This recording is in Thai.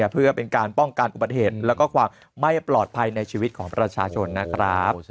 เพื่อเป็นการป้องกันอุบัติเหตุและความไม่ปลอดภัยในชีวิตของประชาชนนะครับ